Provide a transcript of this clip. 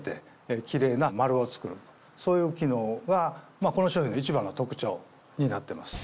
そういう機能がこの商品の一番の特徴になってます。